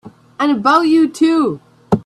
And about you too!